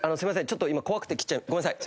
ちょっと今怖くて切っちゃごめんなさい。